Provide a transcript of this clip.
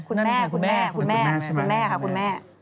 คุณแม่คุณแม่คุณแม่ค่ะคุณแม่